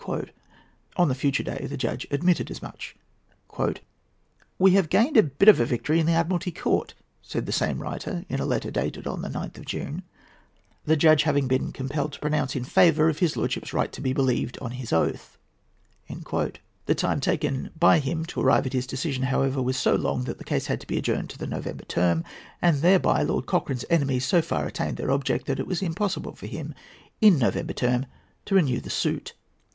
On the future day the judge admitted as much. "We have gained a bit of a victory in the Admiralty Court," said the same writer in a letter dated the 9th of June, "the judge having been compelled to pronounce in favour of his lordship's right to be believed on his oath." The time taken by him to arrive at this decision, however, was so long that the case had to be adjourned to November term, and thereby Lord Cochrane's enemies so far attained their object, that it was impossible for him, in November term, to renew the suit.